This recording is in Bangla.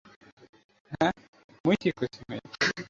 বলা যায়, তার কর্তাসত্তা আসলে সামষ্টিক কর্তাসত্তার অংশ হিসেবেই কাজ করে।